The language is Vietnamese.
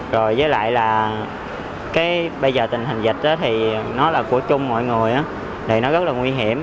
rồi với lại là cái bây giờ tình hình dịch thì nó là của chung mọi người thì nó rất là nguy hiểm